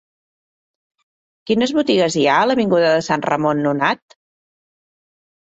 Quines botigues hi ha a l'avinguda de Sant Ramon Nonat?